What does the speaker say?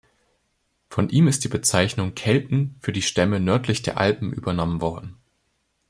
Von ihm ist die Bezeichnung „Kelten“ für die Stämme nördlich der Alpen übernommen worden.